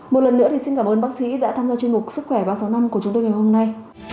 một lần nữa xin cảm ơn bác sĩ đã tham gia chương trình sức khỏe ba trăm sáu mươi năm của chúng tôi ngày hôm nay